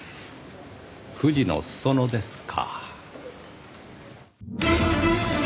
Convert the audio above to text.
富士の裾野ですか。